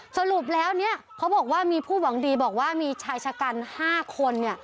สรุปแล้วเขาบอกว่ามีผู้หวังดีบอกว่ามีชายชะกัน๕คน